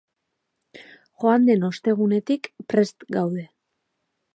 Joan den ostegunetik prest gaude.